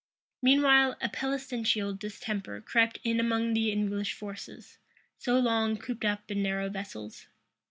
Meanwhile a pestilential distemper crept in among the English forces, so long cooped up in narrow vessels.